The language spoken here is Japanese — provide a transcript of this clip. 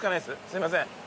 すいません。